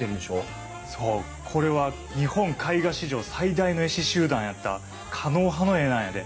そうこれは日本絵画史上最大の絵師集団やった狩野派の絵なんやで。